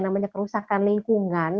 namanya kerusakan lingkungan